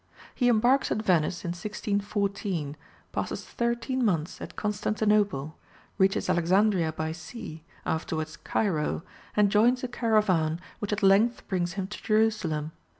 He embarks at Venice in 1614, passes thirteen months at Constantinople, reaches Alexandria by sea, afterwards Cairo, and joins a caravan which at length brings him to Jerusalem.